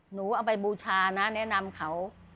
หนูเอาไปบูชานะแนะนำเขา